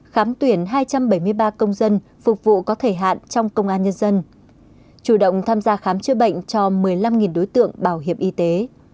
khám tuyển hai trăm bảy mươi ba công dân phục vụ có thời hạn trong công an nhân dân chủ động tham gia khám chữa bệnh cho một mươi năm đối tượng bảo hiểm y tế